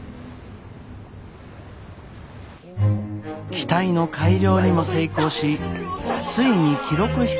機体の改良にも成功しついに記録飛行の前日。